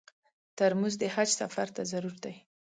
ترموز د حج سفر ته ضرور دی.